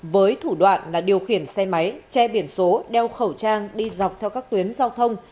với thủ đoạn là điều khiển xe máy che biển số đeo khẩu trang đi dọc theo các tuyến giao thông